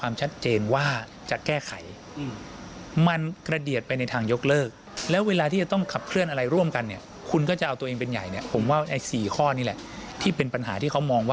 อาจารย์เจ็ดยังแนะนำด้วยว่าถ้าการโหวตนายกในรอบ๒๑๙